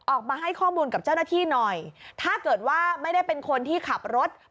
ออกมาให้ข้อมูลกับเจ้าหน้าที่หน่อยถ้าเกิดว่าไม่ได้เป็นคนที่ขับรถ